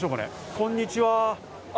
こんにちは。